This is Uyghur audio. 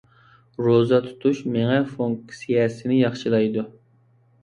روزا تۇتۇش مېڭە فۇنكسىيەسىنى ياخشىلايدۇ.